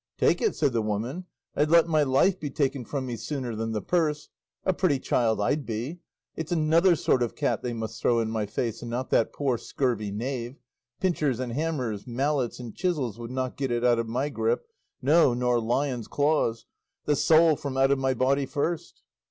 "Take it!" said the woman; "I'd let my life be taken from me sooner than the purse. A pretty child I'd be! It's another sort of cat they must throw in my face, and not that poor scurvy knave. Pincers and hammers, mallets and chisels would not get it out of my grip; no, nor lions' claws; the soul from out of my body first!"